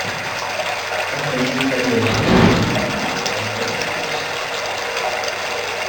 Afegiu també la mantega estovada, dos ous i la sal.